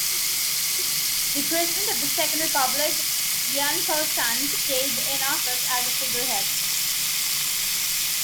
The president of the Second Republic, Yun Po-sun, stayed in office as a figurehead.